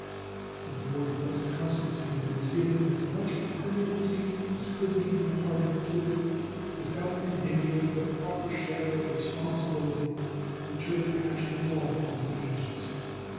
The board thus constituted was given as much permanency as could be imparted to it without endangering the proper share of responsibility which should attach to all public agents.